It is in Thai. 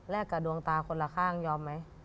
กับดวงตาคนละข้างยอมไหม